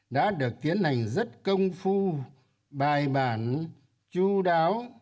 đã được tiến hành rất công phu bài bản chú đáo